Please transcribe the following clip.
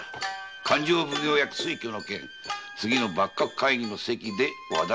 勘定奉行役推挙の件次の幕閣会議の席で話題になるそうじゃ。